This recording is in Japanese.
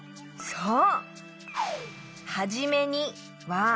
そう！